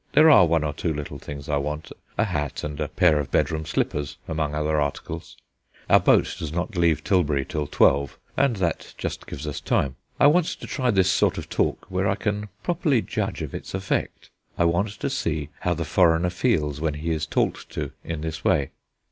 There are one or two little things I want a hat and a pair of bedroom slippers, among other articles. Our boat does not leave Tilbury till twelve, and that just gives us time. I want to try this sort of talk where I can properly judge of its effect. I want to see how the foreigner feels when he is talked to in this way."